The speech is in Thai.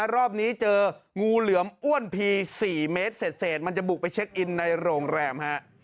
รอบนี้เจองูเหลือมอ้วนพี๔เมตรเศษมันจะบุกไปเช็คอินในโรงแรมฮะ